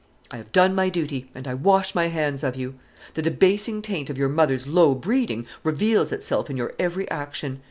I have done my duty, and I wash my hands of you. The debasing taint of your mother's low breeding reveals itself in your every action.